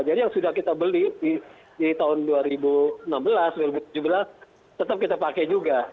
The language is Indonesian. yang sudah kita beli di tahun dua ribu enam belas dua ribu tujuh belas tetap kita pakai juga